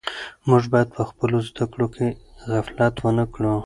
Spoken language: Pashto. موږ باید په خپلو زده کړو کې غفلت ونه کړو.